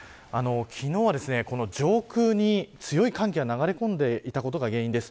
昨日は上空に強い寒気が流れ込んでいたことが原因です。